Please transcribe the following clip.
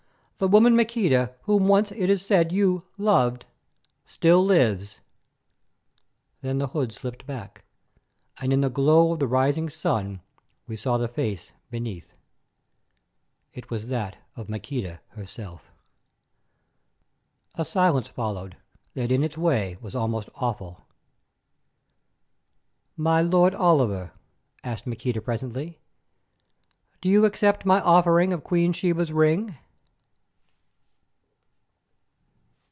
"——the woman Maqueda whom once it is said you—loved—still lives." Then the hood slipped back, and in the glow of the rising sun we saw the face beneath. It was that of Maqueda herself! A silence followed that in its way was almost awful. "My Lord Oliver," asked Maqueda presently, "do you accept my offering of Queen Sheba's ring?"